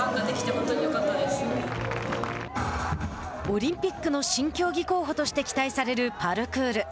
オリンピックの新競技候補として期待されるパルクール。